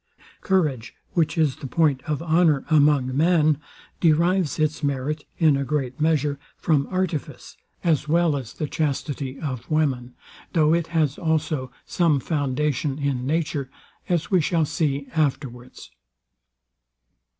Courage, which is the point of honour among men, derives its merit, in a great measure, from artifice, as well as the chastity of women; though it has also some foundation in nature, as we shall see afterwards.